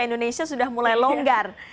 indonesia sudah mulai longgar